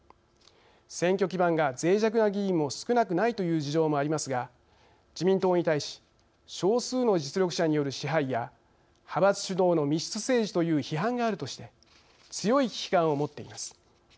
選挙基盤がぜい弱な議員も少なくないという事情もありますが自民党に対し少数の実力者による支配や派閥主導の「密室政治」という批判があるとして強い危機感を持っています。